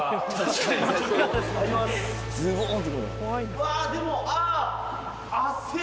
うわでもあっ。